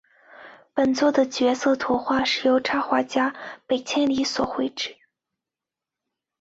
本作的角色图画是由插画家北千里所绘制。